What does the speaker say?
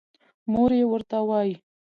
مور يې ورته وايې